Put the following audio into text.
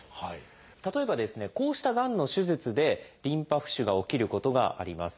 例えばこうしたがんの手術でリンパ浮腫が起きることがあります。